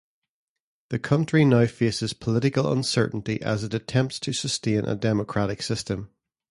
The country now faces political uncertainty as it attempts to sustain a democratic system.